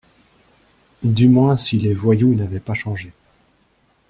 Du moins si les voyous n’avaient pas changé